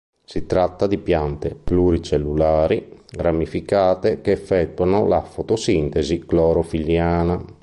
Si tratta di piante pluricellulari, ramificate, che effettuano la fotosintesi clorofilliana.